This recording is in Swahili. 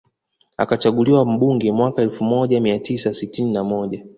Akachaguliwa mbunge mwaka elfu moja mia tisa sitini na moja